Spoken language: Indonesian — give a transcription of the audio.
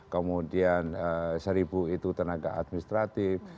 kemudian satu ribu itu tenaga administratif